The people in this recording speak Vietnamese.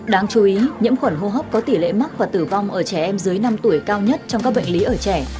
đáng chú ý nhiễm khuẩn hô hấp có tỷ lệ mắc và tử vong ở trẻ em dưới năm tuổi cao nhất trong các bệnh lý ở trẻ